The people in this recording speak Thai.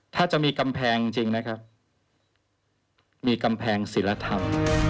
ถ้าจะมีกำแพงจริงนะครับมีกำแพงศิลธรรม